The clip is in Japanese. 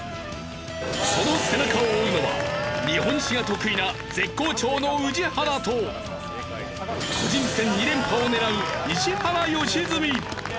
その背中を追うのは日本史が得意な絶好調の宇治原と個人戦２連覇を狙う石原良純。